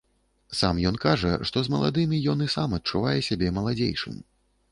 Сам ён кажа, што з маладымі ён і сам адчувае сябе маладзейшым.